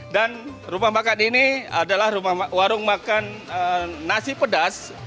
dan rumah makan ini adalah warung makan nasi pedas